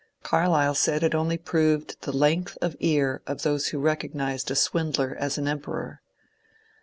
Carlyle said it only proved the length of ear of those who recognized a swindler as an Emperor.